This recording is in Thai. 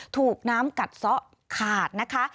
ถูกน้ำกัดซะขาดนะคะ